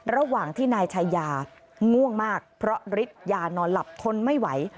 ระหว่างที่นายชายาง่วงมากเพราะฤทธิ์ยานอนหลับทนไม่ไหว